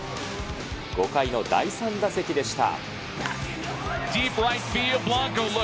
５回の第３打席でした。